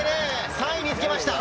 ３位につけました。